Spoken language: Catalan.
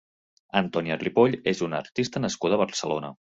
Antònia Ripoll és una artista nascuda a Barcelona.